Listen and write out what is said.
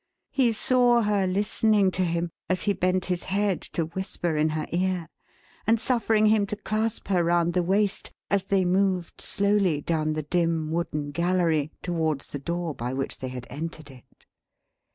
He saw her listening to him, as he bent his head to whisper in her ear; and suffering him to clasp her round the waist, as they moved slowly down the dim wooden gallery towards the door by which they had entered it.